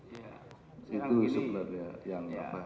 itu sebenarnya yang apa